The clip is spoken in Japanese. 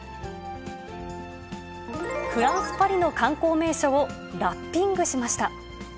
フランス・パリの観光名所をラッピングしました。